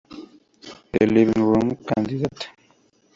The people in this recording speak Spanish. The Living Room Candidate.